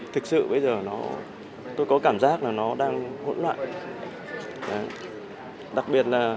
thực sự bây giờ tôi có cảm giác là nó đang hỗn loạn